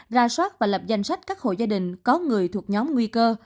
ra soát và lập danh sách các hộ gia đình có người thuộc nhóm nguy cơ